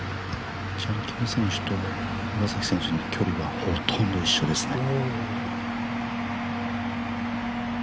チャン・キム選手と岩崎選手の距離はほとんど一緒ですね。